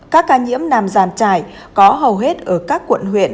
các ca nhiễm nằm giàn trải có hầu hết ở các quận huyện